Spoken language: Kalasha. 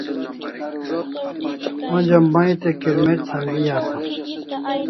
Onja mai te kirmec' sambi asam